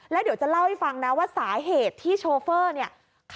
แล้วเดี๋ยวจะเล่าให้ฟังนะว่าสาเหตุที่โชเฟอร์เนี่ย